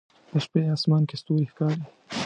د شپې په اسمان کې ستوري ښکاري